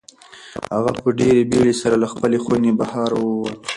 هغه په ډېرې بېړۍ سره له خپلې خونې بهر ووت.